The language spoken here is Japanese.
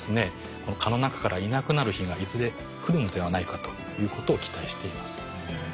この蚊の中からいなくなる日がいずれ来るのではないかということを期待しています。